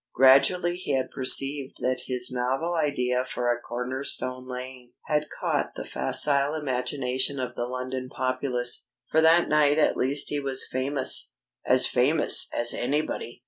Gradually he had perceived that his novel idea for a corner stone laying had caught the facile imagination of the London populace. For that night at least he was famous as famous as anybody!